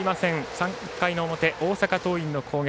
３回の表、大阪桐蔭の攻撃。